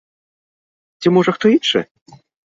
Ці, можа, хто іншы?